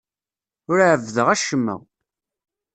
Ur ɛebbdeɣ acemma.